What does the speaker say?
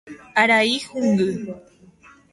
Arai hũngy